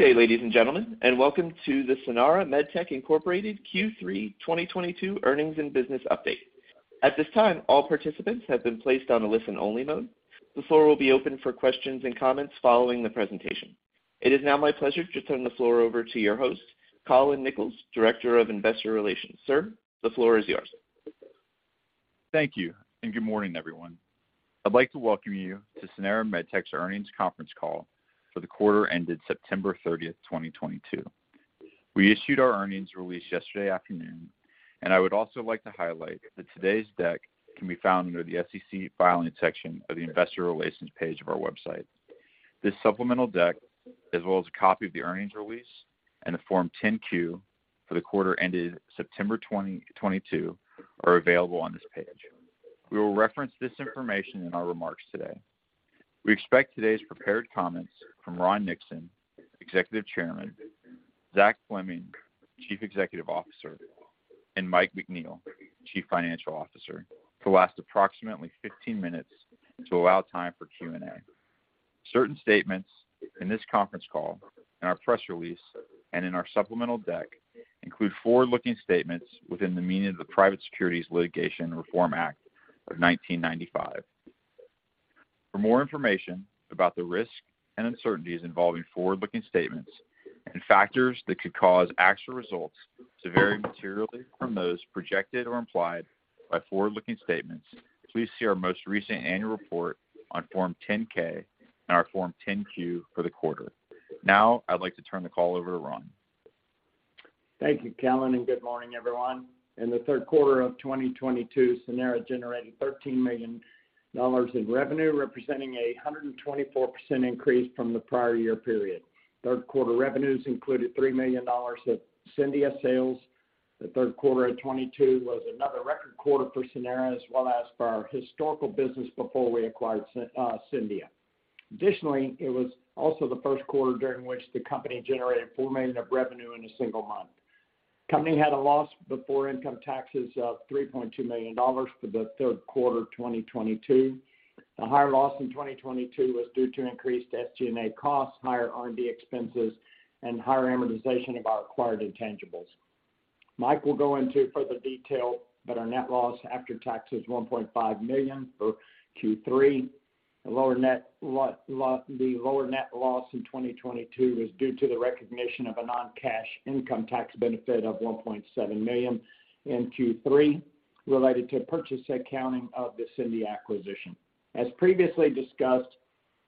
Good day, ladies and gentlemen, and welcome to the Sanara MedTech Inc. Q3 2022 Earnings and Business Update. At this time, all participants have been placed on a listen-only mode. The floor will be open for questions and comments following the presentation. It is now my pleasure to turn the floor over to your host, Callon Nichols, Director of Investor Relations. Sir, the floor is yours. Thank you and good morning, everyone. I'd like to welcome you to Sanara MedTech's earnings conference call for the quarter ended September 30, 2022. We issued our earnings release yesterday afternoon, and I would also like to highlight that today's deck can be found under the SEC Filing section of the Investor Relations page of our website. This supplemental deck, as well as a copy of the earnings release and a Form 10-Q for the quarter ended September 2022, are available on this page. We will reference this information in our remarks today. We expect today's prepared comments from Ron Nixon, Executive Chairman, Zachary Fleming, Chief Executive Officer, and Michael McNeil, Chief Financial Officer, to last approximately 15 minutes and to allow time for Q&A. Certain statements in this conference call and our press release and in our supplemental deck include forward-looking statements within the meaning of the Private Securities Litigation Reform Act of 1995. For more information about the risks and uncertainties involving forward-looking statements and factors that could cause actual results to vary materially from those projected or implied by forward-looking statements, please see our most recent annual report on Form 10-K and our Form 10-Q for the quarter. Now, I'd like to turn the call over to Ron. Thank you, Callon, and good morning, everyone. In the third quarter of 2022, Sanara generated $13 million in revenue, representing a 124% increase from the prior year period. Third quarter revenues included $3 million of Scendia sales. The third quarter of 2022 was another record quarter for Sanara as well as for our historical business before we acquired Scendia. Additionally, it was also the first quarter during which the company generated $4 million of revenue in a single month. The company had a loss before income taxes of $3.2 million for the third quarter of 2022. The higher loss in 2022 was due to increased SG&A costs, higher R&D expenses, and higher amortization of our acquired intangibles. Mike will go into further detail, but our net loss after tax is $1.5 million for Q3. The lower net loss in 2022 is due to the recognition of a non-cash income tax benefit of $1.7 million in Q3 related to purchase accounting of the Scendia acquisition. As previously discussed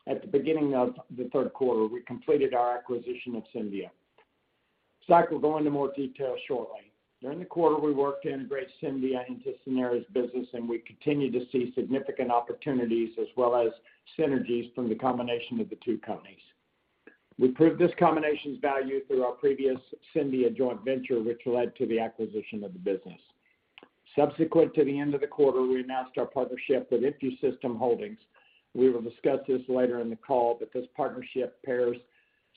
at the beginning of the third quarter, we completed our acquisition of Scendia. Zach will go into more detail shortly. During the quarter, we worked to integrate Scendia into Sanara's business, and we continue to see significant opportunities as well as synergies from the combination of the two companies. We proved this combination's value through our previous Scendia joint venture, which led to the acquisition of the business. Subsequent to the end of the quarter, we announced our partnership with InfuSystem Holdings. We will discuss this later in the call, but this partnership pairs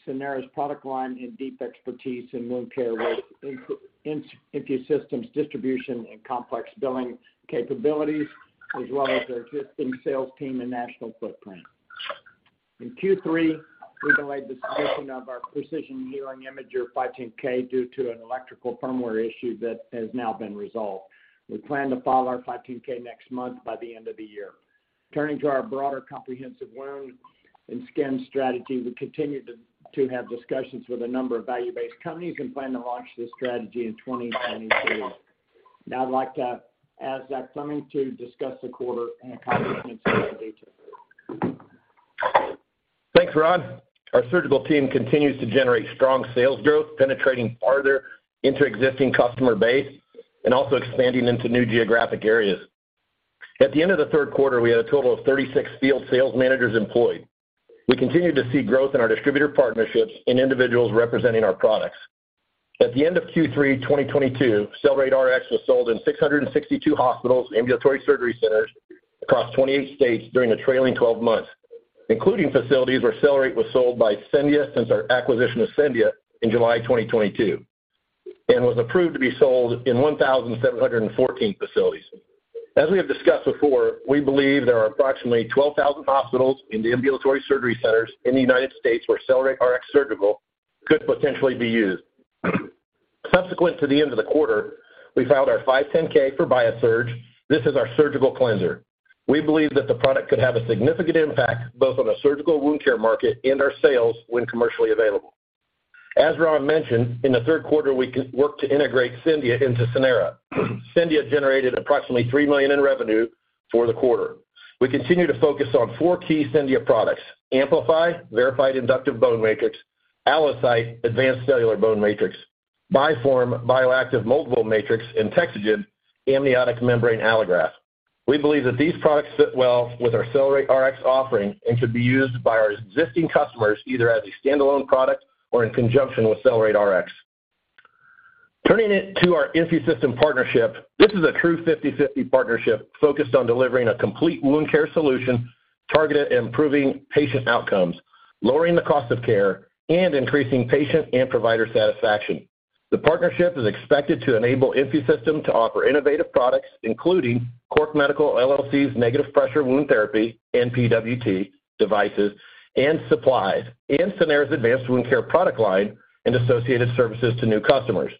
Sanara's product line and deep expertise in wound care with InfuSystem's distribution and complex billing capabilities, as well as their existing sales team and national footprint. In Q3, we delayed the submission of our Precision Healing imager 510(k) due to an electrical firmware issue that has now been resolved. We plan to file our 510(k) next month by the end of the year. Turning to our broader comprehensive wound and skin strategy, we continue to have discussions with a number of value-based companies and plan to launch this strategy in 2023. Now I'd like to ask Zach Fleming to discuss the quarter in a comprehensive amount of detail. Thanks, Ron. Our surgical team continues to generate strong sales growth, penetrating farther into existing customer base and also expanding into new geographic areas. At the end of the third quarter, we had a total of 36 field sales managers employed. We continue to see growth in our distributor partnerships and individuals representing our products. At the end of Q3 2022, CellerateRX was sold in 662 hospitals and ambulatory surgery centers across 28 states during the trailing twelve months, including facilities where CellerateRX was sold by Scendia since our acquisition of Scendia in July 2022, and was approved to be sold in 1,714 facilities. As we have discussed before, we believe there are approximately 12,000 hospitals and ambulatory surgery centers in the United States where CellerateRX Surgical could potentially be used. Subsequent to the end of the quarter, we filed our 510(k) for BIASURGE. This is our surgical cleanser. We believe that the product could have a significant impact both on the surgical wound care market and our sales when commercially available. As Ron mentioned, in the third quarter, we worked to integrate Scendia into Sanara. Scendia generated approximately $3 million in revenue for the quarter. We continue to focus on four key Scendia products, ACTIGEN, verified inductive bone matrix, ALLOCYTE, advanced cellular bone matrix, BiFORM, bioactive moldable matrix, and TEXAGEN, amniotic membrane allograft. We believe that these products fit well with our CellerateRX offering and should be used by our existing customers either as a standalone product or in conjunction with CellerateRX. Turning it to our InfuSystem partnership, this is a true 50/50 partnership focused on delivering a complete wound care solution targeted at improving patient outcomes, lowering the cost of care, and increasing patient and provider satisfaction. The partnership is expected to enable InfuSystem to offer innovative products, including Cork Medical, LLC's negative pressure wound therapy, NPWT, devices and supplies, and Sanara's advanced wound care product line and associated services to new customers.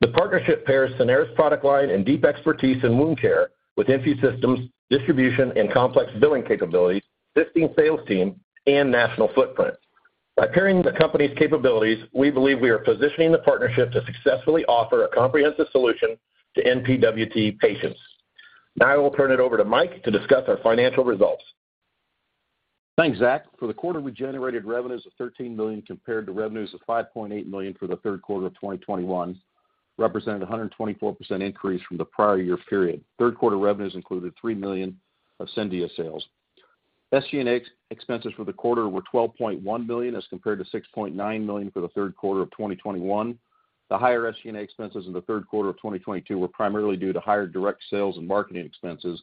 The partnership pairs Sanara's product line and deep expertise in wound care with InfuSystem's distribution and complex billing capabilities, existing sales team, and national footprint. By pairing the company's capabilities, we believe we are positioning the partnership to successfully offer a comprehensive solution to NPWT patients. Now I will turn it over to Mike to discuss our financial results. Thanks, Zach. For the quarter, we generated revenues of $13 million compared to revenues of $5.8 million for the third quarter of 2021, representing a 124% increase from the prior year period. Third quarter revenues included $3 million of Scendia sales. SG&A expenses for the quarter were $12.1 million as compared to $6.9 million for the third quarter of 2021. The higher SG&A expenses in the third quarter of 2022 were primarily due to higher direct sales and marketing expenses,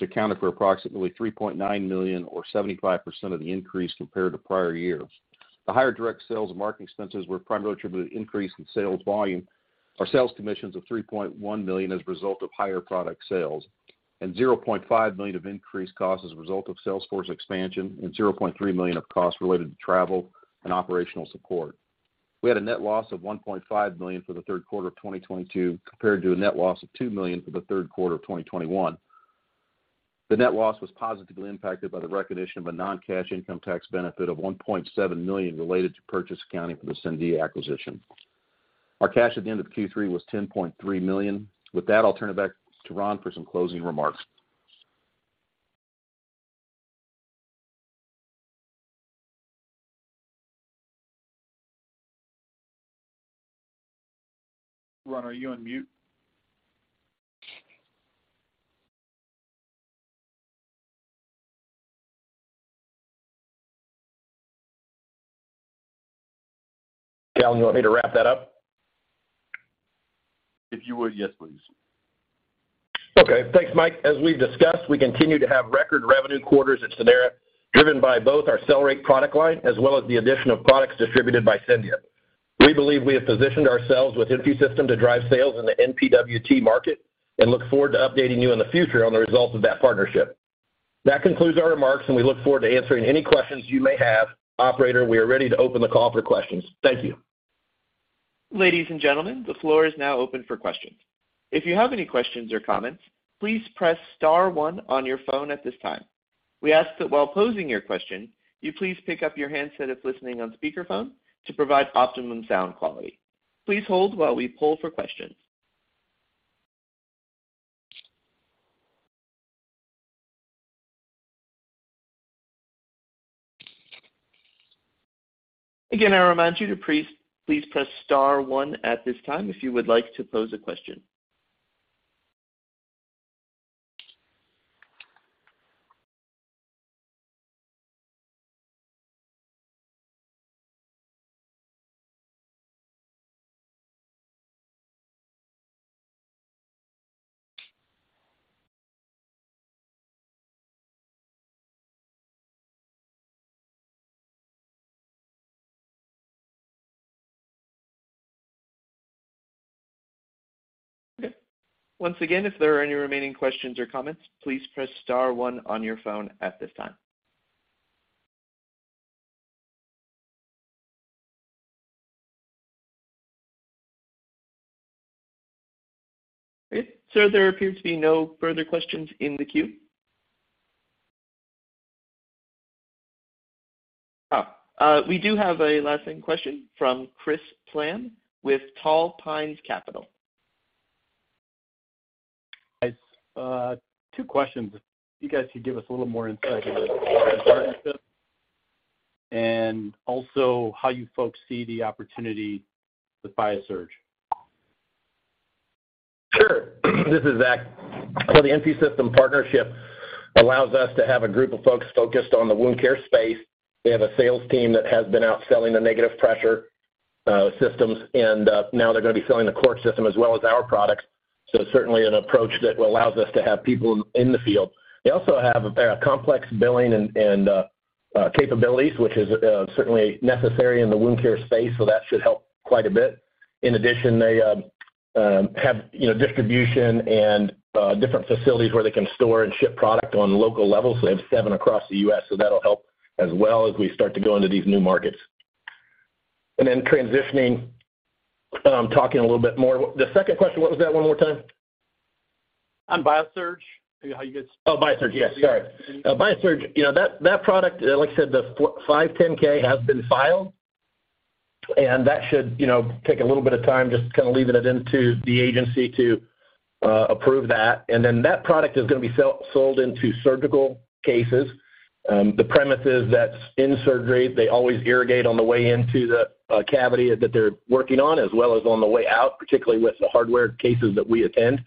which accounted for approximately $3.9 million or 75% of the increase compared to prior years. The higher direct sales and marketing expenses were primarily attributed to increase in sales volume, our sales commissions of $3.1 million as a result of higher product sales, and $0.5 million of increased cost as a result of sales force expansion, and $0.3 million of costs related to travel and operational support. We had a net loss of $1.5 million for the third quarter of 2022, compared to a net loss of $2 million for the third quarter of 2021. The net loss was positively impacted by the recognition of a non-cash income tax benefit of $1.7 million related to purchase accounting for the Scendia acquisition. Our cash at the end of Q3 was $10.3 million. With that, I'll turn it back to Ron for some closing remarks. Ron, are you on mute? Callon, you want me to wrap that up? If you would, yes, please. Okay. Thanks, Mike. As we've discussed, we continue to have record revenue quarters at Sanara, driven by both our CellerateRX product line as well as the addition of products distributed by Scendia. We believe we have positioned ourselves with InfuSystem to drive sales in the NPWT market and look forward to updating you in the future on the results of that partnership. That concludes our remarks, and we look forward to answering any questions you may have. Operator, we are ready to open the call for questions. Thank you. Ladies and gentlemen, the floor is now open for questions. If you have any questions or comments, please press star one on your phone at this time. We ask that while posing your question, you please pick up your handset if listening on speakerphone to provide optimum sound quality. Please hold while we poll for questions. Again, I remind you to please press star one at this time if you would like to pose a question. Okay. Once again, if there are any remaining questions or comments, please press star one on your phone at this time. Great. Sir, there appear to be no further questions in the queue. We do have a last-minute question from Christopher Plahm with Tall Pines Capital. Guys, two questions. If you guys could give us a little more insight into the partnership and also how you folks see the opportunity with BIASURGE. Sure. This is Zach. The InfuSystem partnership allows us to have a group of folks focused on the wound care space. They have a sales team that has been out selling the negative pressure systems, and now they're gonna be selling the Cork system as well as our products. Certainly an approach that allows us to have people in the field. They also have a complex billing and capabilities, which is certainly necessary in the wound care space, so that should help quite a bit. In addition, they have, you know, distribution and different facilities where they can store and ship product on local levels. They have seven across the U.S., so that'll help as well as we start to go into these new markets. The second question, what was that one more time? On BIASURGE, how you guys? Oh, BIASURGE. Yes, sorry. BIASURGE, you know, that product, like I said, the 510(k) has been filed, and that should, you know, take a little bit of time, just kinda leaving it up to the agency to approve that. Then that product is gonna be sold into surgical cases. The premise is that in surgery, they always irrigate on the way into the cavity that they're working on, as well as on the way out, particularly with the hardware cases that we attend.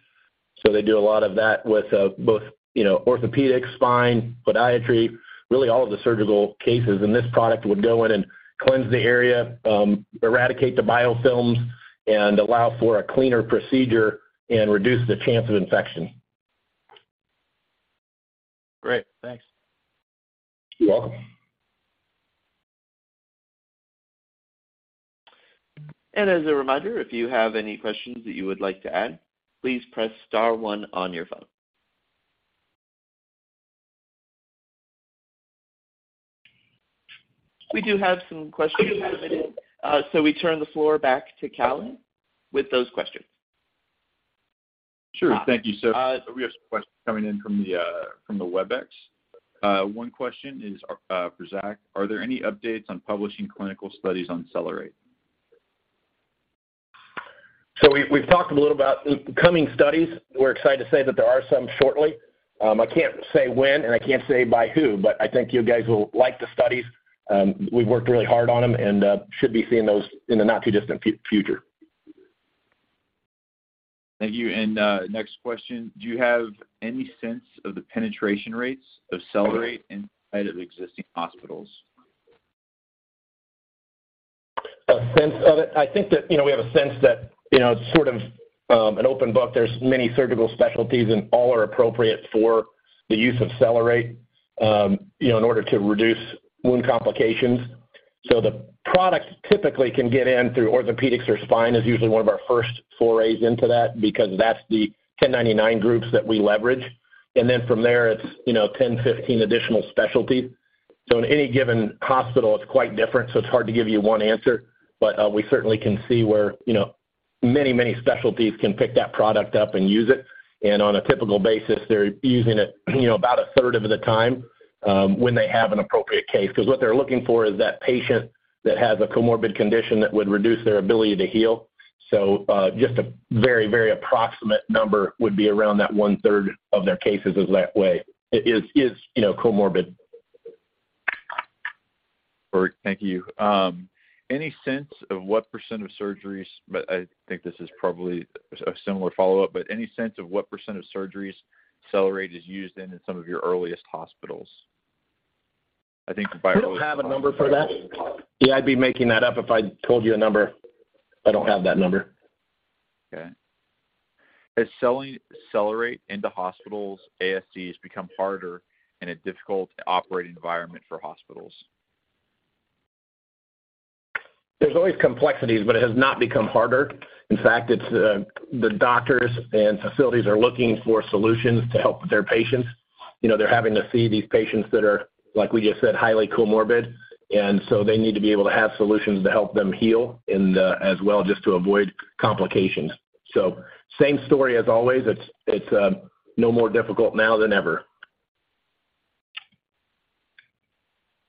They do a lot of that with both, you know, orthopedics, spine, podiatry, really all of the surgical cases. This product would go in and cleanse the area, eradicate the biofilms, and allow for a cleaner procedure and reduce the chance of infection. Great. Thanks. You're welcome. As a reminder, if you have any questions that you would like to add, please press star one on your phone. We do have some questions submitted, so we turn the floor back to Callon with those questions. Sure. Thank you. We have some questions coming in from the Webex. One question is for Zach. Are there any updates on publishing clinical studies on CellerateRX? We've talked a little about coming studies. We're excited to say that there are some shortly. I can't say when, and I can't say by who, but I think you guys will like the studies. We've worked really hard on them and should be seeing those in the not too distant future. Thank you. Next question: Do you have any sense of the penetration rates of CellerateRX inside of existing hospitals? A sense of it. I think that, you know, we have a sense that, you know, sort of, an open book, there's many surgical specialties and all are appropriate for the use of CellerateRX, you know, in order to reduce wound complications. The product typically can get in through orthopedics or spine is usually one of our first forays into that because that's the 1099 groups that we leverage. Then from there, it's, you know, 10, 15 additional specialties. In any given hospital, it's quite different, so it's hard to give you one answer. We certainly can see where, you know, many, many specialties can pick that product up and use it. On a typical basis, they're using it, you know, about a third of the time, when they have an appropriate case, because what they're looking for is that patient that has a comorbid condition that would reduce their ability to heal. Just a very, very approximate number would be around that one-third of their cases is that way, you know, comorbid. Great. Thank you. I think this is probably a similar follow-up. Any sense of what % of surgeries CellerateRX is used in some of your earliest hospitals? We don't have a number for that. Yeah, I'd be making that up if I told you a number. I don't have that number. Okay. Is selling CellerateRX into hospitals, ASCs become harder in a difficult operating environment for hospitals? There's always complexities, but it has not become harder. In fact, it's the doctors and facilities are looking for solutions to help their patients. You know, they're having to see these patients that are, like we just said, highly comorbid, and so they need to be able to have solutions to help them heal and as well just to avoid complications. Same story as always. It's no more difficult now than ever.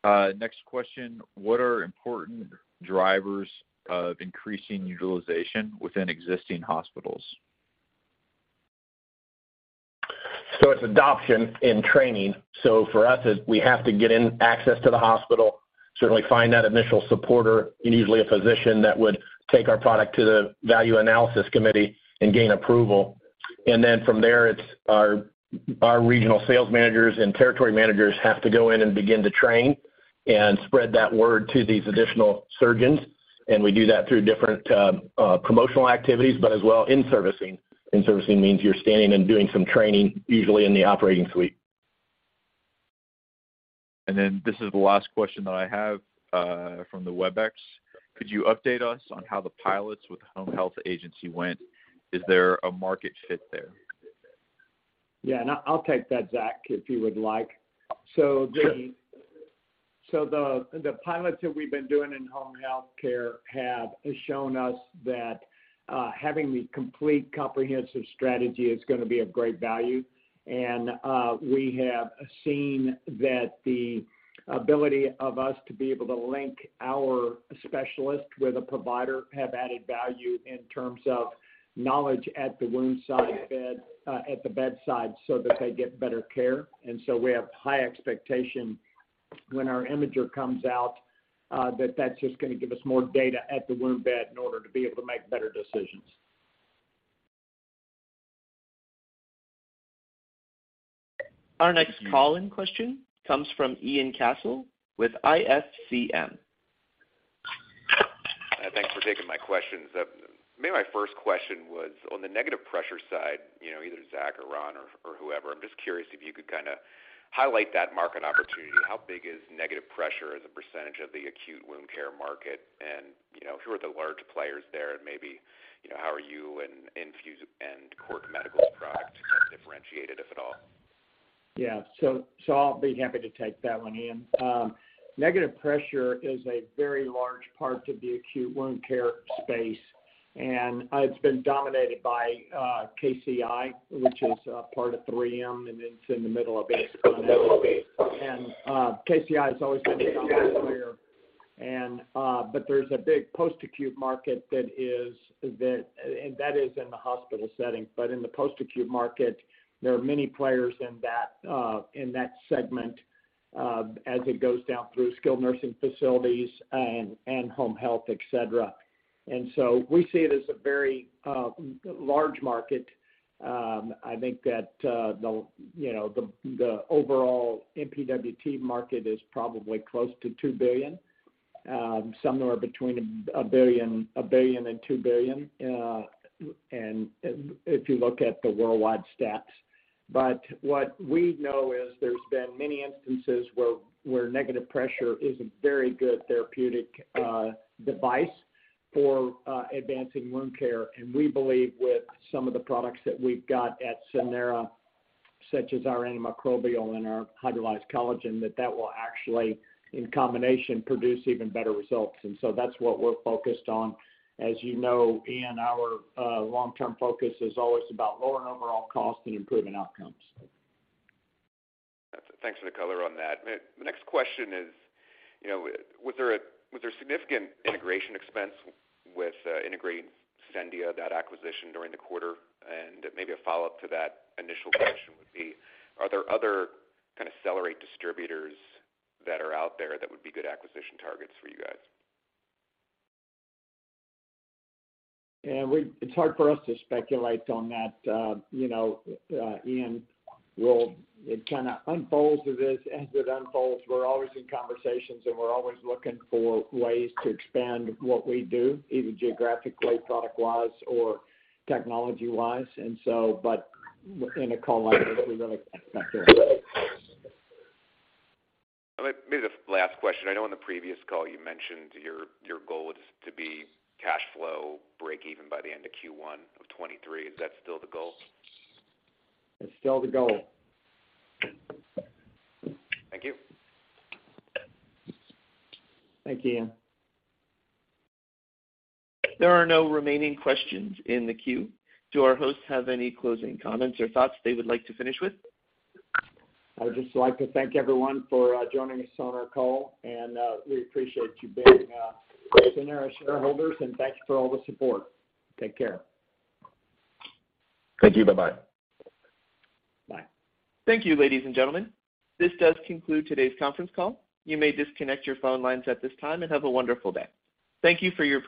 Next question. What are important drivers of increasing utilization within existing hospitals? It's adoption and training. For us, it's we have to get access to the hospital, certainly find that initial supporter, and usually a physician that would take our product to the Value Analysis Committee and gain approval. Then from there, it's our regional sales managers and territory managers have to go in and begin to train and spread that word to these additional surgeons. We do that through different promotional activities, but as well in-servicing. In-servicing means you're standing and doing some training, usually in the operating suite. This is the last question that I have from the Webex. Could you update us on how the pilots with home health agency went? Is there a market fit there? Yeah. I'll take that, Zach, if you would like. Sure. The pilots that we've been doing in home healthcare have shown us that having the complete comprehensive strategy is gonna be of great value. We have seen that the ability of us to be able to link our specialists with a provider have added value in terms of knowledge at the wound site bed, at the bedside so that they get better care. We have high expectation when our imager comes out, that that's just gonna give us more data at the wound bed in order to be able to make better decisions. Our next call-in question comes from Ian Castle with ISCM. Thanks for taking my questions. Maybe my first question was on the negative pressure side, you know, either Zach or Ron or whoever, I'm just curious if you could kinda highlight that market opportunity. How big is negative pressure as a percentage of the acute wound care market? And, you know, who are the large players there? And maybe, you know, how are you and InfuSystem and Cork Medical's product differentiated, if at all? I'll be happy to take that one, Ian. Negative pressure is a very large part of the acute wound care space, and it's been dominated by KCI, which is part of 3M, and it's in the middle of a spinout. KCI has always been the dominant player. But there's a big post-acute market that is in the hospital setting. But in the post-acute market, there are many players in that segment, as it goes down through skilled nursing facilities and home health, et cetera. We see it as a very large market. I think that the overall NPWT market is probably close to $2 billion. Somewhere between $1 billion and $2 billion, and if you look at the worldwide stats. What we know is there's been many instances where negative pressure is a very good therapeutic device for advancing wound care. We believe with some of the products that we've got at Sanara, such as our antimicrobial and our hydrolyzed collagen, that that will actually, in combination, produce even better results. That's what we're focused on. As you know, Ian, our long-term focus is always about lowering overall cost and improving outcomes. Thanks for the color on that. The next question is, you know, was there significant integration expense with integrating Scendia, that acquisition during the quarter? Maybe a follow-up to that initial question would be, are there other kind of Cellerate distributors that are out there that would be good acquisition targets for you guys? Yeah, it's hard for us to speculate on that, you know, Ian. It kind of unfolds as it unfolds. We're always in conversations, and we're always looking for ways to expand what we do, either geographically, product-wise, or technology-wise. But in a call like this, we really can't speculate. Maybe the last question. I know in the previous call you mentioned your goal is to be cash flow breakeven by the end of Q1 of 2023. Is that still the goal? It's still the goal. Thank you. Thank you, Ian. There are no remaining questions in the queue. Do our hosts have any closing comments or thoughts they would like to finish with? I would just like to thank everyone for joining us on our call, and we appreciate you being Sanara shareholders, and thanks for all the support. Take care. Thank you. Bye-bye. Bye. Thank you, ladies and gentlemen. This does conclude today's conference call. You may disconnect your phone lines at this time and have a wonderful day. Thank you for your participation.